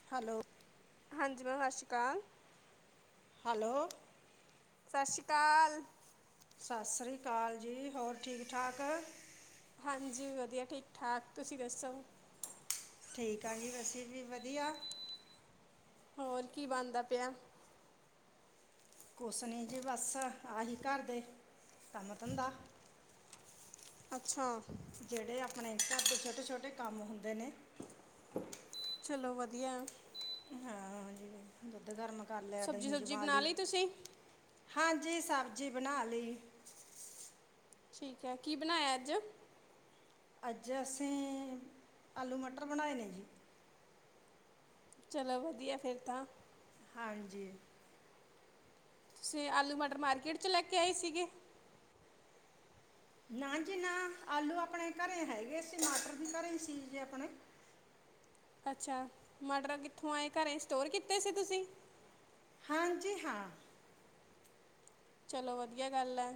[inaudible] Hello? ਹਾਂਜੀ ma'am, ਸਤਿ ਸ਼੍ਰੀ ਅਕਾਲ। ਹੈਲੋ! ਸਤਿ ਸ਼੍ਰੀ ਅਕਾਲ। ਸਤਿ ਸ਼੍ਰੀ ਅਕਾਲ ਜੀ, ਹੋਰ ਠੀਕ ਠਾਕ। ਹਾਂਜੀ, ਵਧੀਆ, ਠੀਕ- ਠਾਕ। ਤੁਸੀਂ ਦੱਸੋ। ਠੀਕ ਆ ਜੀ, ਅਸੀ ਵੀ ਵਧੀਆ। ਹੋਰ ਕੀ ਬਣਦਾ ਪਿਆ? ਕੁਝ ਨਹੀਂ ਜੀ ਬਸ, ਏਹੀ ਘਰ ਦੇ ਕੰਮ ਧੰਦਾ। ਅੱਛਾ। ਜਿਹੜੇ ਆਪਣੇ ਘਰ ਦੇ ਛੋਟੇ -ਛੋਟੇ ਕੰਮ ਹੁੰਦੇ ਨੇ। ਚਲੋ, ਵਧੀਆ। ਹਾਂ, ਦੁੱਧ ਗਰਮ ਕਰ ਲਿਆ ਸਬਜ਼ੀ ਦਹੀਂ -ਸੁਬਜੀ ਜਮਾ ਬਣਾ ਲਈ ਤੁਸੀਂ? ਹਾਂਜੀ, ਸਬਜ਼ੀ ਬਣਾ ਲਈ। ਠੀਕ ਹੈ, ਕੀ ਬਣਾਇਆ ਅੱਜ? ਅੱਜ ਅਸੀਂ, ਆਲੂ ਮਟਰ ਬਣਾਏ ਨੇ ਜੀ। ਚਲੋ ਵਧੀਆ, ਫਿਰ ਤਾਂ ਹਾਂਜੀ। ਤੁਸੀਂ ਆਲੂ ਮਟਰ ਮਾਰਕੀਟ ਚ ਲੈ ਕੇ ਆਏ ਸੀਗੇ? ਨਾ ਜੀ ਨਾ, ਆਲੂ ਆਪਣੇ ਘਰੇ ਹੈਗੇ ਸੀ ਟਮਾਟਰ ਵੀ ਘਰੇ ਸੀ ਜੇ ਆਪਣੇ। ਅੱਛਾ, ਮਟਰ ਕਿੱਥੋਂ ਆਏ ਘਰੇ? ਸਟੋਰ ਕੀਤੇ ਸੀ ਤੁਸੀਂ? ਹਾਂਜੀ, ਹਾਂ। ਚਲੋ ਵਧੀਆ ਗੱਲ ਹੈ।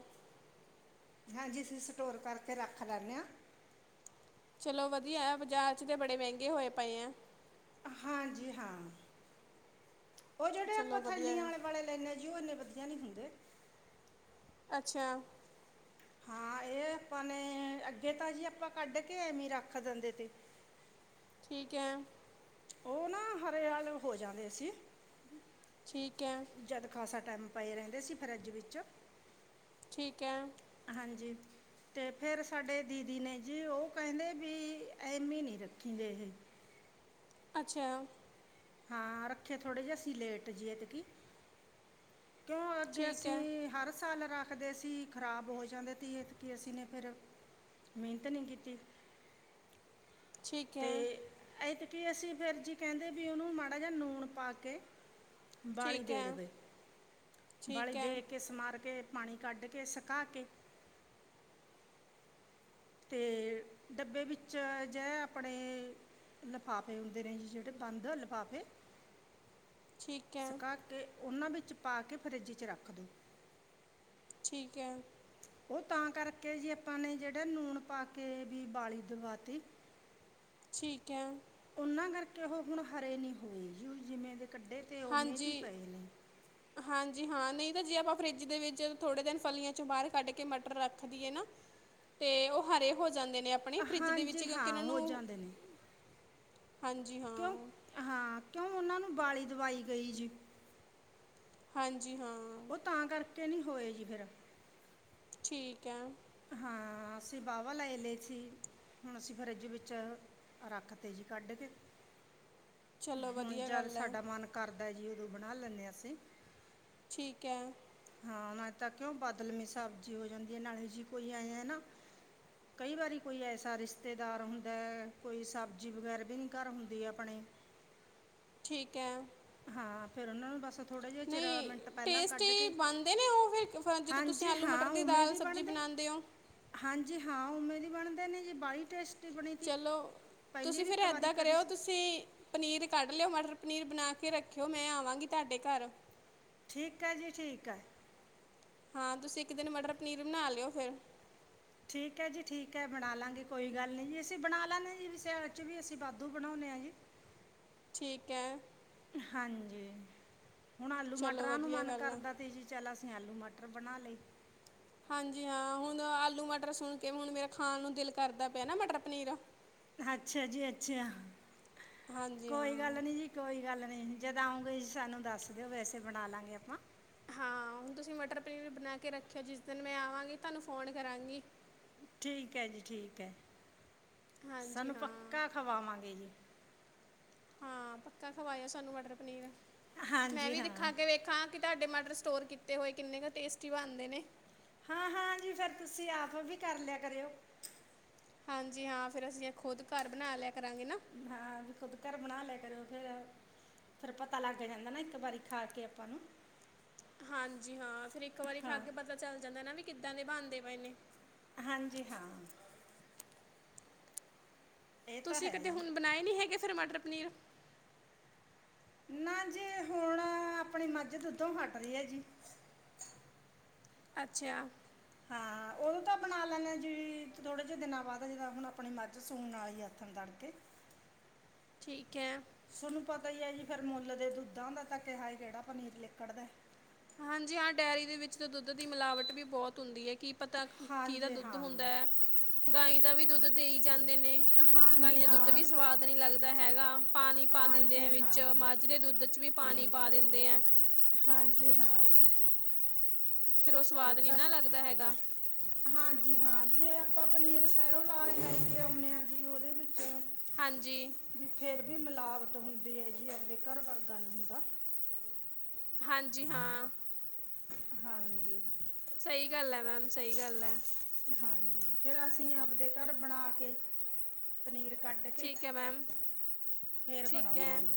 ਹਾਂਜੀ, ਅਸੀਂ ਸਟੋਰ ਕਰਕੇ ਰੱਖ ਲੈਂਦੇ ਹਾਂ। ਚਲੋ ਵਧੀਆ ਆ, ਬਾਜਾਰ ਚ ਤੇ ਬੜੇ ਮਹਿੰਗੇ ਹੋਏ ਪਏ ਆ। ਹਾਂਜੀ ਹਾਂ, ਉਹ ਜਿਹੜੇ ਚਲੋ ਆਪਾਂ ਵਧੀਆ ਥੈਲੀਆਂ ਹੈ ਆਲੇ ਬੜੇ ਇਨਾ ਜੀ ਉਹ ਓੰਨੇ ਵਧੀਆ ਨਹੀਂ ਹੁੰਦੇ ਅੱਛਾ। ਹਾਂ ਇਹ ਆਪਾਂ ਨੇ, ਅੱਗੇ ਤਾਂ ਜੀ ਆਪਾਂ ਕੱਢ ਕੇ ਐਵੇਂ ਰੱਖ ਦਿੰਦੇ ਤੇ ਠੀਕ ਹੈ। ਉਹ ਨਾ ਹਰੇ ਹਾਲ ਹੋ ਜਾਂਦੇ ਸੀ। ਠੀਕ ਹੈ। ਜਦ ਖਾਸਾ ਟਾਈਮ ਪਾਏ ਰਹਿੰਦੇ ਸੀ ਫਰਿੱਜ ਵਿੱਚ ਠੀਕ ਹੈ। ਹਾਂਜੀ। ਤੇ ਫਿਰ ਸਾਡੇ ਦੀਦੀ ਨੇ ਜੀ ਉਹ ਕਹਿੰਦੇ ਵੀ ਐਮੀ ਹੀ ਨਹੀਂ ਰੱਖੀਦੇ ਇਹ। ਅੱਛਾ। ਹਾਂ, ਰੱਖੇ ਥੋੜੇ ਜਿਹੇ ਅਸੀ ਲੇਟ ਜੀਏ ਤੇ ਕੀ ਕਿਉਂ, ਅੱਗੇ ਠੀਕ ਹੈ ਅਸੀਂ ਹਰ ਸਾਲ ਰ ਰਦੇ ਸੀ, ਖ਼ਰਾਬ ਹੋ ਜਾਂਦੇ ਤੀ ਅਐਤਕੀ ਅਸੀਂ ਫਿਰ ਮਿਹਨਤ ਨਹੀਂ ਕੀਤੀ ਠੀਕ ਤੇ ਹੈ ਇਤ ਕੀ ਅਸੀਂ ਫਿਰ ਜੀ ਕਹਿੰਦੇ ਵੀ ਉਹਨੂੰ ਮਾੜਾ ਜਿਹਾ ਨੂਣ ਪਾ ਕੇ ਬਾਹਲੀ ਠੀਕ ਦੇ ਹੈ ਦੇਵੇ ਬਾਹਲੀ ਠੀਕ ਹੈ ਦੇ ਕੇ ਸਮਾਰ ਕੇ ਪਾਣੀ ਕੱਢ ਕੇ, ਸੁਕਾ ਕੇ ਤੇ ਡੱਬੇ ਵਿੱਚ ਜੇ ਅਪਣੇ ਲਫਾਫੇ ਹੂੰਦੇ ਨੇ ਜੀ ਜੇੜੇ ਬਾੰਦ ਲਫਾਫੇ ਠੀਕ ਹੈ ਸੁਕਾ ਕੇ ਓਨਾਂ ਵਿੱਚ ਪਾ ਕੇ, ਫਰਿੱਜ ਚ ਰਾੱਖ ਦੋ। ਠੀਕ ਐ। ਓ ਤਾਂ ਕਰਕੇ ਜੇ ਆਪਾਂ ਨੇ ਜੇੜੇ ਨੂਨ ਪਾ ਕੇ ਬੀ ਬਾਲੀ ਦਵਾਤੀ। ਠੀਕ ਐ। ਉਨਾਂ ਕਾਰਕੇ ਓ ਹੁਨ ਹਰੇ ਨੀ ਹੋਏ ਜੀ ਓ ਜਿਵੇਂ ਦੇ ਕੱਡੇ ਹਾਂਜੀ। ਹਾਂਜੀ ਹਾਂ, ਨਈ ਤਾਂ ਜੇ ਆਪਾਂ ਫਰਿੱਜ ਦੇ ਵਿੱਚ ਥੋੜੇ ਦਿਨ ਫਲੀਆਂ ਚੋਂ ਬਾਰ ਕਾੱਫ ਕੇ ਮਟਰ ਰਾੱਖਦੀਏ ਨਾ ਤੇ ਓ ਹਰੇ ਹੋ ਜਾਂਦੇ ਨੇ ਅਪਣੇ ਫਰਿੱਜ ਦੇ ਵਿੱਚ ਹਾਂਜੀ ਕਿਉਂਕਿ ਹਾਂ ਉਨਾਂ ਹੋ ਨੂੰ ਜਾਂਦੇ ਨੇ ਹਾਂਜੀ ਹਾਂ। ਕਿਉਂ, ਹਾਂ, ਕਿਉਂ ਓਨਾਂ ਨੂੰ ਬਾਲੀ ਦਵਾਈ ਗਈ ਜੀ। ਹਾਂਜੀ ਹਾਂ। ਓ ਤਾਂ ਕਾਰਕੇ ਨੀ ਹੋਏ ਜੀ ਫੇਰ। ਠੀਕ ਐ। ਹਾਂ, ਅਸੀ ਵਾ-ਵਾ ਲੈ ਲਏ ਸੀ। ਹੁਣ ਅਸੀ ਫਰਿੱਜ ਵਿੱਚ ਰਾੱਖ ਤੇ ਜੀ ਕਾੱਡ ਕੇ। ਚਲੋ ਹੁਨ ਵਧੀਆ ਜੱਦ ਗੱਲ ਹੈ ਸਾਡਾ ਮਾੰਨ ਕਾਰਦੈ ਜੀ, ਓਦੋਂ ਬਨਾ ਲੈਨੇ ਆਂ ਅਸੀ ਠੀਕ ਐ। ਹਾਂ, ਨਾ ਤਾਂ ਕਿਉਂ ਬਾਦਲਮੀ ਸਬਜੀ ਹੋ ਜਾਂਦੀ ਏ, ਨਾਲੇ ਜੀ ਕੋਈ ਐਏਂ ਨਾ ਕਈ ਵਾਰੀ ਕੋਈ ਐਸਾ ਰਿਸ਼ਤੇਦਾਰ ਹੁੰਦੈ, ਕੋਈ ਸਬਜੀ ਵਗੈਰਾ ਵੀ ਨੀ ਘਾਰ ਹੁੰਦੀ ਅਪਣੇ ਠੀਕ ਐ। ਹਾਂ, ਫੇਰ ਉਨਾਂ ਨੂੰ ਬਾੱਸ ਨਈ, ਟੇਸਟੀ ਬਾਨਦੇ ਨੇ ਓ ਫੇਰ ਫ ਜਦੋਂ ਤੂਸੀ ਹਾਂਜੀ ਆਲੂ ਹਾਂ ਮਟਰ ਦੀ ਉਵੇਂ ਦਾਲ ਸਬਜੀ ਬਣਦੇ ਬਨਾਨ ਦੇ ਓ? ਹਾਂਜੀ, ਹਾਂ ਉਵੇਂ ਦੀ ਬਨਦੇ ਨੇ ਜੀ, ਬਾਲੀ ਟੇਸਟ ਚਲੋ, ਤੂਸੀ ਫੇਰ ਐਦਾਂ ਕਰੀ ਕਰੇਓ ਸੀ ਤੂਸੀ ਪਨੀਰ ਕਾੱਡ ਲੇਓ, ਮਟਰ ਪਨੀਰ ਬਨਾ ਕੇ ਰੱਖੇਓ, ਮੈਂ ਆਵਾਂਗੀ ਤੂਆਡੇ ਘਾਰ। ਠੀਕ ਐ ਜੀ, ਠੀਕ ਐ। ਹਾਂ ਤੂਸੀ ਇੱਕ ਦਿਨ ਮਟਰ ਪਨੀਰ ਬਨਾ ਲੇਓ ਫੇਰ ਠੀਕ ਐ ਜੀ, ਠੀਕ ਐ ਬਣਾ ਲਾਂਗੇ ਕੋਈ ਗਾੱਲ ਨੀ ਜੀ ਅਸੀ ਬਣਾ ਲੈਨੇ ਜੀ, ਵੀ ਸਿਆਲ ਚ ਵੀ ਅਸੀ ਵਾਦੂ ਬਨਾਉਨੇ ਆਂ ਜੀ। ਠੀਕ ਐ। ਹਾਂਜੀ, ਹੁਣ ਆਲੂ ਚਲੋ ਮਟਰਾਂ ਨੂੰ ਵਧੀਆ ਮਾੰਨ ਗੱਲ ਆ ਕਾਰਦਾ ਤੇ ਜੀ। ਚੱਲ ਅਸੀ ਆਲੂ ਮਟਰ ਬਣਾ ਲੇ। ਹਾਂਜੀ ਹਾਂ, ਹੁਨ ਆਲੂ ਮਟਰ ਸੁਨ ਕੇ, ਹੁਨ ਮੇਰਾ ਖਾਨ ਨੂੰ ਦਿਲ ਕਰਦਾ ਪੇਐ ਨਾ ਮਟਰ ਪਨੀਰ। ਅੱਛਾ ਜੀ ਅੱਛਾ, ਹਾਂਜੀ ਕੋਈ ਹਾਂ ਗਾੱਲ ਨੀ ਜੀ। ਕੋਈ ਗਾੱਲ ਨੀ, ਜੱਦ ਆਉਂਗੇ ਜੀ ਸਾਨੂੰ ਦਾੱਸ ਦੇਓ, ਵੈਸੇ ਬਣਾ ਲਾਂਗੇ ਅਪਾਂ ਹਾਂ, ਹੁਨ ਤੂਸੀ ਮਟਰ ਪਨੀਰ ਬਨਾ ਕੇ ਰੱਖੇਓ, ਜਿਸ ਦਿਨ ਮੈਂ ਆਵਾਂਗੀ, ਤਾਨੂੰ ਫੋਨ ਕਰਾਂਗੀ। ਠੀਕ ਐ ਜੀ, ਠੀਕ ਐ, ਹਾਂਜੀ ਸਾਨੂੰ ਹਾਂ ਪੱਕਾ ਖਵਾਵਾਂਗੇ ਜੀ। ਹਾਂ, ਪੱਕਾ ਖਵਾਏਓ ਸਾਨੂੰ ਮਟਰ ਪਨੀਰ, ਮੈਂ ਹਾਂਜੀ ਵੀ ਤੇ ਹਾਂ ਖਾ ਕੇ ਵੇਖਾਂ ਕਿ ਤੂਆਡੇ ਮਟਰ ਸਟੋਰ ਕੀਤੇ ਹੋਏ ਕਿੰਨੇ ਕ ਟੇਸਟੀ ਬਾਨਦੇ ਨੇ। ਹਾਂ-ਹਾਂ ਜੀ, ਫੇਰ ਤੂਸੀ ਆਪ ਵੀ ਕਾਰ ਲੇਆ ਕਰੇਓ। ਹਾਂਜੀ ਹਾਂ, ਫੇਰ ਅਸੀ ਐ ਖੁੱਦ ਘਾਰ ਬਨਾ ਲੇਆ ਕਰਾਂਗੇ ਨਾ। ਹਾਂ, ਵੀ ਖੁੱਦ ਘਰ ਬਨਾ ਲੇਆ ਕਰੇਓ ਫੇਰ। ਫਿਰ ਪਤਾ ਲੱਗ ਜਾਂਦਾ ਨਾ, ਇੱਕ ਵਾਰੀ ਖਾ ਕੇ ਆਪਾਂ ਨੂੰ। ਹਾਂਜੀ ਹਾਂ, ਫੇਰ ਇੱਕ ਵਾਰੀ ਖਾ ਹਾਂ ਕੇ ਪਤਾ ਚੱਲ ਜਾਂਦਾ ਨਾ ਵੀ, ਕਿੱਦਾਂ ਦੇ ਬਣਦੇ ਪਏ ਨੇ। ਹਾਂਜੀ, ਹਾਂ। ਇਹ ਤਾਂ ਤੁਸੀਂ ਹੈ ਕਦੇ ਜੀ ਹੁਣ ਬਣਾਏ ਨਹੀਂ ਹੈਗੇ, ਫਿਰ ਮਟਰ ਪਨੀਰ? ਨਾ ਜੀ ਹੁਣ, ਆਪਣੀ ਮਜ਼ ਦੁੱਧੋਂ ਹਟ ਰਹੀ ਐ ਜੀ। ਅੱਛਾ! ਹਾਂ, ਉਹ ਓ ਤਾਂ ਬਣਾ ਲੈਂਦੇ ਐ ਜੀ, ਥੋੜੇ ਜਿਹੇ ਦਿਨਾਂ ਬਾਅਦ ਜੀ ਹੁਣ ਆਪਣੀ ਮਜ਼ ਸੂਣ ਆਲੀ ਐ ਜੀ ਹੱਥਣ ਤੜਕੇ ਠੀਕ ਐ। ਤੁਹਨੂੰ ਪਤਾ ਹੀ ਐ ਜੀ ਫੇਰ ਮੁੱਲ ਦੇ ਦੁੱਧਾਂ ਦਾ ਤਾਂ ਕਿਹਾ ਕਿਹੜਾ ਪਨੀਰ ਲਿਕੜਦਾ। ਹਾਂਜੀ ਹਾਂ ਡੇਅਰੀ ਦੇ ਵਿੱਚ ਤਾਂ ਦੁੱਧ ਦੀ ਮਿਲਾਵਟ ਵੀ ਬਹੁਤ ਹੁੰਦੀ ਹੈ ਕਿ ਪਤਾ ਕਿਹਦਾ ਹਾਂਜੀ ਦੁੱਧ ਹਾਂ ਹੁੰਦਾ ਐ, ਗਾਈ ਦਾ ਵੀ ਦੁੱਧ ਦੇਈ ਜਾਂਦੇ ਨੇ ਗਾਈ ਹਾਂਜੀ ਦਾ ਦੁੱਧ ਹਾਂ ਵੀ ਸਵਾਦ ਨਹੀਂ ਲੱਗਦਾ ਹੈਗਾ, ਪਾਣੀ ਪਾ ਦਿੰਦੇ ਹਾਂਜੀ ਐ ਹਾਂ ਵਿੱਚ ਮਝ ਦੇ ਦੁੱਧ 'ਚ ਵੀ ਪਾਣੀ ਪਾ ਦਿੰਦੇ ਐ। ਹਾਂਜੀ। ਹਾਂ। ਫਿਰ ਉਹ ਇਹ ਸਵਾਦ ਨੀ ਤਾਂ ਨਾ ਲੱਗਦਾ ਹੈਗਾ। [inaudible] ਹਾਂਜੀ ਹਾਂ, ਜੇ ਆਪਾਂ ਪਨੀਰ ਸਹਿਰੋ ਲ ਲੈ ਕੇ ਆਉਂਨੇ ਆ ਜੀ ਉਹਦੇ ਵਿੱਚੋਂ ਹਾਂਜੀ। ਵੀ ਫਿਰ ਵੀ ਮਿਲਾਵਟ ਹੁੰਦੀ ਐ ਜੀ ਆਪਦੇ ਘਰ ਵਰਗਾ ਨਹੀਂ ਹੁੰਦਾ। [inaudible] ਹਾਂਜੀ, ਹਾਂ। ਹਾਂਜੀ ਸਹੀ ਗੱਲ ਐ ਮੈਮ, ਸਹੀ ਗੱਲ ਐ। ਹਾਂਜੀ ਫੇਰ ਅਸੀਂ ਆਪਦੇ ਘਰ ਬਣਾ ਕੇ ਪਨੀਰ ਕੱਢ ਕੇ, ਠੀਕ ਹੈ ਮੈਮ ਫੇਰ ਠੀਕ ਬਣਾਉਨੇ ਆ ਹੈ ਜੀ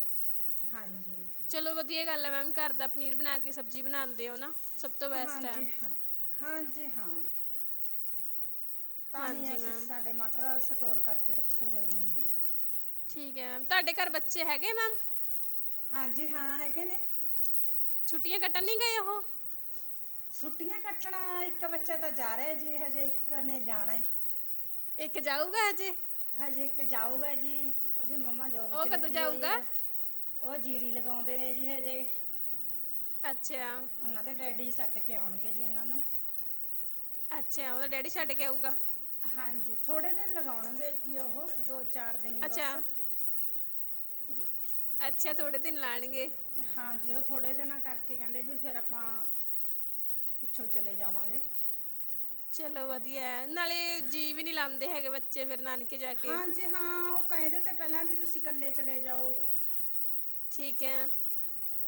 ਹਾਂਜੀ। ਚਲੋ ਵਧੀਆ ਗੱਲ ਐ ਮੈਮ, ਘਰ ਦਾ ਪਨੀਰ ਬਣਾ ਕੇ ਸਬਜ਼ੀ ਬਣਾਦੇ ਔ ਨਾ ਸ ਹਾਂਜੀ - ਹਾਂਜੀ ਹਾਂ। ਤਾਂ ਹੀ ਹਾਂਜੀ ਅਸੀਂ ਮੈਮ ਸਾਡੇ ਮਟਰ ਸਟੋਰ ਕਰਕੇ ਰੱਖੇ ਹੋਏ ਨੇ ਜੀ। ਠੀਕ ਹੈ ਮੈਮ, ਤੁਹਾਡੇ ਘਰ ਬੱਚੇ ਹੈਗੇ ਮੈਮ? [inaudible] ਹਾਂਜੀ ਹਾਂ, ਹੈਗੇ ਨੇ। [inaudible] ਛੁੱਟੀਆਂ ਕੱਟਣ ਨਹੀਂ ਗਏ ਉਹ? [inaudible] ਛੁੱਟੀਆਂ ਕੱਟਣਾ ਇੱਕ ਬੱਚਾ ਤਾਂ ਜਾ ਰਿਹਾ ਜੇ ਹਜੇ, ਇੱਕ ਨੇੇ ਜਾਣਾ ਏ। [inaudible] ਇੱਕ ਜਾਊਗਾ ਅਜੇ। ਹਾਂਜੀ ਇੱਕ ਜਾਊਗਾ ਜੀ, ਔਦੀ ਮੰਮਾ ਜੋਬ ਉਹ ਤੇ ਕਦੋਂ ਲੱਗੀ ਔਈ ਜਾਊਗਾ ਐ ਔ ਜੀਰੀ ਲਗਾਂਉਂਦੇ ਨੇ ਜੀ ਅਜੇ। ਅੱਛੇ! ਔਨਾਂ ਦੇ ਡੈਡੀ ਛੱਡ ਕੇ ਓਨ ਗੇ ਜੀ ਔਨਾਂ ਨੂੰਂ। [inaudible] ਅੱਛਾ! ਔਦਾ ਡੈਡੀ ਛੱਡ ਕੇ ਆਊਗਾ। ਹਾਂਜੀ, ਥੋੜੇ ਦਿਨ ਲਗਾਉਣ ਗੇ ਜੀ ਓਹ ਦੋ ਚਾਰ ਦਿਨ। ਹੀ ਅੱਛਾ, ਬਸ ਅੱਛਾ ਥੋੜੇ ਦਿਨ ਲਾਣਗੇ। ਹਾਂਜੀ ਔ ਥੋੜੇ ਦਿਨਾਂ ਕਰਕੇ ਕੈਂਦੇ ਵੀ ਫੇਰ ਆਪਾਂ। ਪਿੱਛੋਂ ਚਲੇ ਜਾਵਾਂਗੇ। ਚਲੋ ਵਧੀਐ ਨਾਲੇ ਜੀਅ ਵੀ ਨੀ ਲਾਂਦੇ ਹੈਗੇ ਬੱਚੇ ਫੇਰ ਨਾਨ ਹਾਂਜੀ ਹਾਂ ਔ ਕੈ ਰਏ ਤੇ ਪੈਲਾਂ ਵੀ ਤੁਸੀ ਕੱਲੇ ਚਲੇ ਜਾਓ। ਠੀਕ ਐ।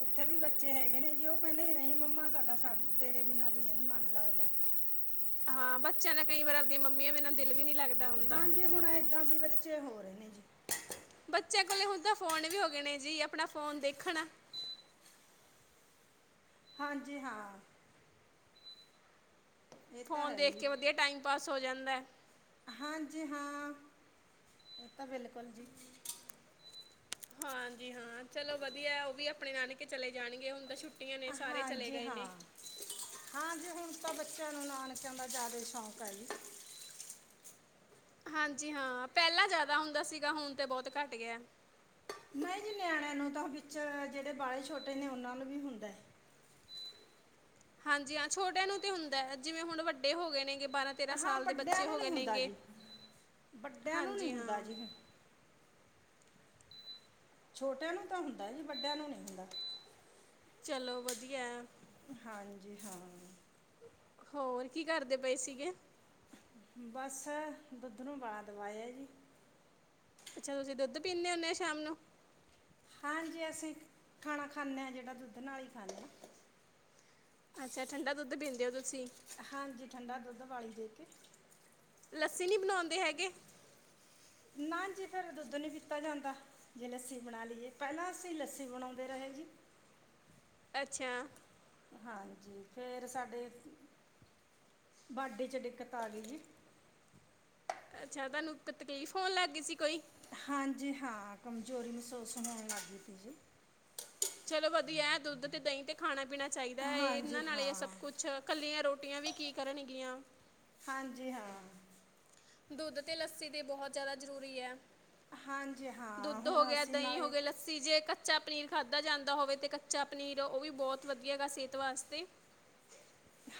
ਔਥੇ ਵੀ ਬੱਚੇ ਹੈਗੇ ਨੇ ਜੀ ਔ ਕੇਂਦੇ ਨੇ ਨਈ ਮੰਮਾ ਸਾਡਾ ਸ ਤੇਰੇ ਬਿਨਾਂ ਵੀ ਨਈ ਮਨ ਲੱਗਦਾ। ਹਾਂ ਬੱਚਿਆਂ ਦਾ ਕਈ ਵਾਰ ਆਪਦੀਆਂ ਮੰਮੀਆਂ ਬਿਨਾ ਦਿਲ ਵੀ ਨੀ ਲੱਗਦਾ। ਹੁੰਦਾ ਹਾਂਜੀ ਹੁਣ ਏਦਾਂ ਦੇ ਬੱਚੇ ਹੋ ਰਹੇ ਨੇ ਜੀ ਬੱਚੇਆਂ ਕੋਲੇ ਹੁਨ ਤਾਂ ਫ਼ੋਨ ਵੀ ਹੋ ਗਏ ਨੇ ਜੀ ਆਪਣਾ ਫੋਨ ਦੇਖਣ। ਹਾਂਜੀ ਹਾਂ। ਇਹ ਤਾਂ ਫ਼ੋਨ ਹੈ ਦੇਖ ਜੀ ਕੇ ਵਧੀਆ ਟਾਈਮ ਪਾਸ ਹੋ ਜਾਂਦੈ। ਹਾਂਜੀ ਹਾਂ, ਏਤਾਂ ਬਿਲਕੁਲ ਜੀ। ਹਾਂਜੀ ਹਾਂ ਚਲੋ ਵਧੀਐ ਔ ਵੀ ਅਪਨੇ ਨਾਨਕੇ ਚਲੇ ਜਾਨਗੇ। ਹੁਨ ਤੇ ਛੁੱਟੀ ਆਂ ਨੇ ਸਾਰੇ ਚਲੇ ਹਾਂਜੀ ਗਏ ਹਾਂ ਨੇ। ਹਾਂਜੀ ਹੁਨ ਤਾਂ ਬੱਚੇਆਂ ਨੂੰ ਨਾਨਕੇਆਂ ਦਾ ਜਾਦਾ ਈ ਸ਼ੌਕ ਐ ਜੀ। ਹਾਂਜੀ ਹਾਂ ਪੈਲਾਂ ਜਾਦਾ ਹੁੰਦਾ ਸੀਗਾ ਹੁਨ ਤੇ ਬੋਤ ਘੱਟ ਗਿਐ। ਨਈ ਜੀ ਨਿਆਣੇਆਂ ਨੂੰ ਤਾਂ ਵਿੱਚ ਜੇੜੈ ਬਾੜੇ ਛੋਟੇ ਨੇ ਔਨਾਂ ਨੂੰ ਵੀ ਹੁੰਦਾ ਐ। ਹਾਂਜੀ ਹਾਂ ਛੋਟਿਆਂ ਨੂੰ ਤੇ ਹੁੰਦਾ ਐ ਜਿਵੇਂ ਹੁਨ ਵੱਡੇ ਹੋਗੇ ਨੇ ਗੇ ਬਾਰਾਂ ਤੇਰਾਂ ਹਾਂ ਸਾਲ ਦੇ ਵੱਡਿਆਂ ਬੱਚੇ ਨੂੰ ਨਹੀਂ ਹੋਗੇ ਹੁੰਦਾ ਨੇਗੇ ਜੀ ਵੱਡਿਆਂ ਨੂੰ ਨਹੀਂ ਹਾਂਜੀ ਹੁੰਦਾ ਹਾਂ। ਜੀ ਛੋਟੇਆਂ ਨੂੰ ਤਾਂ ਹੁੰਦਾ ਜੀ ਵੱਡੇਆਂ ਨੂੰ ਨੀ ਹੁੰਦਾ। ਚਲੋ ਵਧੀਐ। ਹਾਂਜੀ ਹਾਂ। ਹੋਰ ਕੀ ਕਰਦੇ ਪਏ ਸੀਗੇ? ਬਸ ਦੁੱਧ ਨੂੰ ਬਾਲਾ ਦਵਾਏਆ ਜੀ। ਅਛਾ ਤੁਸੀ ਦੁੱਧ ਪੀਂਨੇ ਹੁੰਦੇ ਔ ਸ਼ਾਮ ਨੂੰ। ਹਾਂਜੀ ਅਸੀਂ ਖਾਣਾ ਖਾਂਦੇ ਆਂ ਜੈੜਾ ਦੁੱਧ ਨਾਲ ਈ ਖਾਂਨੇ ਆਂ। ਅੱਛਾ ਠੰਡਾ ਦੁੱਧ ਪੀਂਦੇ ਔ ਤੁਸੀ। ਹਾਂਜੀ ਠੰਡਾ ਦੁੱਧ ਬਾਲੀ ਦੇ ਕੇ। ਲੱਸੀ ਨੀ ਬਨਾਉਂਦੇ ਹੈਗੇ। ਨਾ ਜੀ ਫੇਰ ਦੁੱਧ ਨੀ ਪੀਤਾ ਜਾਂਦਾ। ਜੇ ਲੱਸੀ ਬਣਾ ਲੀਏ ਪੈਲਾਂ ਅਸੀ ਲੱਸੀ ਬਨਾਉਂਦੇ ਰਹੇ ਜੀ। ਅੱਛਾ। ਹਾਂਜੀ ਫੇਰ ਸਾਡੇ ਬਾਢੀ ਚ ਦਿੱਕਤ ਆ ਗਈ ਜੀ। ਅਛਾ ਤਾਨੂੰ ਤਕਲੀਫ਼ ਹੋਨ ਲੱਗ ਗਈ ਸੀ ਕੋਈ। ਹਾਂਜੀ ਹਾਂ ਕਮਜੋਰੀ ਮਸੂਸ ਹੋਨ ਲੱਗ ਗੀ ਤੀ ਜੀ। ਚਲੋ ਵਧੀਐ ਦੁੱਧ ਤੇ ਦਈਂ ਤੇ ਖਾਣਾ ਪੀਣਾ ਚਾਈਦਾ ਏ ਹਾਂਜੀ ਏਨਾਂ ਨਾਲ ਈ ਐ ਸਭ ਹਾਂ ਕੁੱਛ ਕੱਲੀਆਂ ਰੋਟੀਆਂ ਵੀ ਕੀ ਕਰਨਗੀਆਂ। ਹਾਂਜੀ ਹਾਂ। ਦੁੱਧ ਤੇ ਲੱਸੀ ਦੇ ਬੋਹਤ ਜਾਦਾ ਜਰੂਰੀ ਐ। ਹਾਂਜੀ ਹਾਂ ਹੁਣ ਅਸੀ ਨਾਲੇ ਅਸੀਂ ਜੇ ਕੱਚਾ ਪਨੀਰ ਖਾਧਾ ਜਾਂਦਾ ਹੋਵੇ ਤਾਂ ਕੱਚਾ ਪਨੀਰ ਓਵੀ ਬੋਤ ਵਧੀਆ ਹੈਗਾ ਸੇਤ ਵਾਸਤੇ।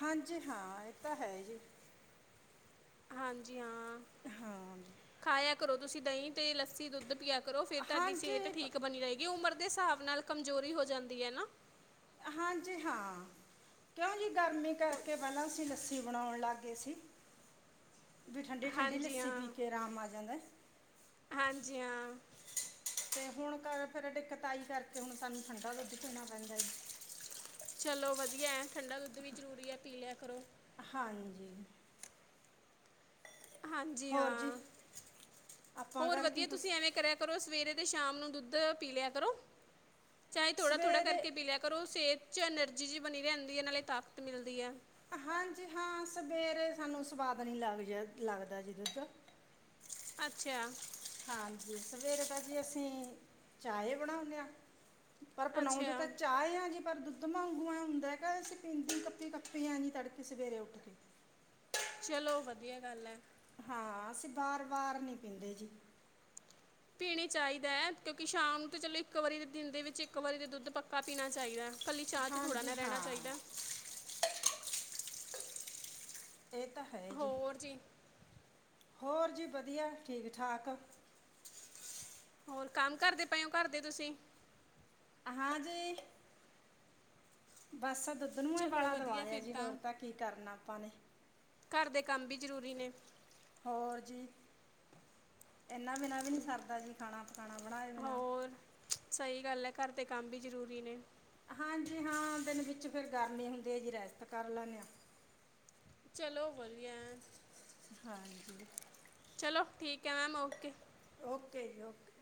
ਹਾਂਜੀ ਹਾਂ ਏਹ ਤਾਂ ਹੈ ਜੀ। ਹਾਂਜੀ ਹਾਂ। ਹਾਂ ਖਾਇਆ ਕਰੋ ਤੁਸੀਂ ਦਈ ਤੇ ਲੱਸੀ, ਦੁੱਧ ਪਿਆ ਕਰੋ ਫੇਰ ਤੁਆਡੀ ਹਾਂਜੀ ਸੇਤ ਠੀਕ ਬਣੀ ਰਹੇਗੀ, ਉਮਰ ਦੇ ਸਾਬ ਨਾਲ ਕਮਜ਼ੋਰੀ ਹੋ ਜਾਂਦੀ ਐ ਨਾ। ਹਾਂਜੀ ਹਾਂ। ਕਿਉਂ ਜੀ ਗਰਮੀ ਕਰਕੇ ਪੈਲਾਂ ਅਸੀਂ ਲੱਸੀ ਬਣਾਓਣ ਲੱਗ ਗਏ ਸੀ। ਵੀ ਠੰਡੀ-ਠੰਡੀ ਹਾਂਜੀ ਲੱਸੀ ਪੀ ਹਾਂ ਕੇ ਆਰਾਮ ਆ ਜਾਂਦਾ। ਹਾਂਜੀ ਹਾਂ। ਤੇ ਹੁਣ ਕਰ ਫੇਰ ਡਿੱਕ ਤਈ ਕਰਕੇ ਹੁਣ ਸਾਨੂੰ ਠੰਢਾ ਦੁੱਧ ਪੀਣਾ ਪੈਂਦਾ। ਚਲੋ ਵਧੀਆ ਐ, ਠੰਡਾ ਦੁੱਧ ਵੀ ਜ਼ਰੂਰੀ ਐ ਪੀ ਲਿਆ ਕਰੋ‌। ਹਾਂਜੀ। ਹਾਂਜੀ ਹੋਰ ਜੀ ਹਾਂ, ਆਪਾਂ ਹੋਰ ਘਰ ਕੀ ਵਧੀਆ ਕੁਛ ਤੁਸੀਂ ਐਵੇਂ ਕਰਿਆ ਕਰੋ ਸਵੇਰੇ ਤੇ ਸ਼ਾਮ ਨੂੰ ਦੁੱਧ ਪੀ ਲਿਆ ਕਰੋ, ਚਾਹੇ ਥੋੜਾ-ਥੋੜਾ ਸਵੇਰੇ ਕਰਕੇ ਪੀ ਲਿਆ ਕਰੋ, ਸੇਤ ਚ ਐਨਰਜੀ ਜੀ ਬਣੀ ਰੈਂਦੀ ਐ ਨਾਲੇ ਤਾਕਤ ਮਿਲਦੀ ਐ। ਹਾਂਜੀ ਹਾਂ ਸਵੇਰੇ ਸਾਨੂੰ ਸਵਾਦ ਨੀ ਲੱਗ ਜਾ ਲੱਗਦਾ ਜੀ ਦੁੱਧ। ਅੱਛਾ। ਹਾਂਜੀ ਸਵੇਰੇ ਤਾਂ ਜੀ ਅਸੀਂ, ਚਾਏ ਬਣਾਉਂਣੇ ਆ। ਪਰ ਬਣਾਉਂਦੇ ਤਾਂ ਅੱਛਾ ਚਾਹ ਆ ਜੀ ਪਰ ਦੁੱ ਦੁੱਧ ਵਾਂਗੂ ਆ ਹੁੰਦਾ ਹੈਗਾ, ਅਸੀਂ ਪੀਂਦੇ ਕੱਪੀ ਕੱਪੀ ਆ ਜੀ ਤੜਕੇ ਸਵੇਰੇ ਉੱਠ ਕੇ। ਚਲੋ ਵਧੀਆ ਗੱਲ ਐ। ਹਾਂ ਅਸੀਂ ਬਾਰ-ਵਾਰ ਨੀ ਪੀਂਦੇ ਜੀ। ਪੀਣੇ ਚਾਈਦਾ ਆ ਕਿਉਂਕਿ ਸ਼ਾਮ ਨੂੰ ਤਾਂ ਚਲੋ ਇੱਕ ਵਾਰੀ ਦੇ ਦਿਨ ਦੇ ਵਿੱਚ ਇੱਕ ਵਾਰੀ ਦਾ ਦੁੱਧ ਪੱਕਾ ਪੀਣਾ ਚਾਈਦਾ। ਕੱਲੀ ਚਾਹ ਤੇ ਥੋੜ੍ਹਾ ਹਾਂਜੀ ਨਾ ਰੈਂਨਾ ਹਾਂ ਚਾਈਦਾ। ਏਹ ਤਾਂ ਹੈ ਜੀ। ਹੋਰ ਜੀ। ਹੋਰ ਜੀ ਵਧੀਆ ਠੀਕ-ਠਾਕ। ਹੋਰ ਕੰਮ ਕਰਦੇ ਪਏ ਹੋ ਘਰਦੇ ਤੁਸੀਂ? ਹਾਂਜੀ। ਬਸ ਦੁੱਧ ਨੂੰ ਚਲੋ ਉਬਾਲਾ ਵਧੀਆ ਦਵਾਇਆ ਫਿਰ ਜੀ, ਹੋਰ ਤਾਂ ਕੀ ਕਰਨਾ ਆਪਾਂ ਨੇ। ਕਾੱਰ ਦੇ ਕੰਮ ਵੀ ਜ਼ਰੂਰੀ ਨੇ। ਹੋਰ ਜੀ, ਏਨਾ ਬਿਨਾਂ ਵੀ ਨਈ ਸਰਦਾ ਜੀ ਖਾਣਾ ਪਕਾਣਾ ਬਣਾਏ ਬਿਨਾਂ। ਸਈ ਗੱਲ ਐ ਕਰ ਦੇ ਕੰਮ ਵੀ ਜ਼ਰੂਰੀ ਨੇ। ਹਾਂਜੀ ਹਾਂ ਦਿਨ ਵਿੱਚ ਫੇਰ ਗਰਮੀ ਹੁੰਦੀ ਐ ਜੀ ਰੈਸਟ ਕਰ ਲੈਣੇ ਆ। ਚਲੋ ਵਧੀਆ ਐ। ਹਾਂਜੀ। ਚਲੋ ਠੀਕ ਐ ਮੈਮ ਓਕੇ। ਓਕੇ ਜੀ ਓਕੇ।